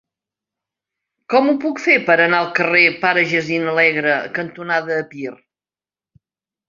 Com ho puc fer per anar al carrer Pare Jacint Alegre cantonada Epir?